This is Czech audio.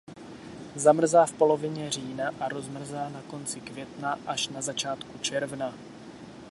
Zamrzá v polovině října a rozmrzá na konci května až na začátku června.